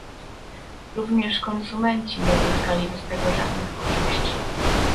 Również konsumenci nie uzyskaliby z tego żadnych korzyści